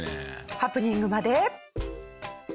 ハプニングまで。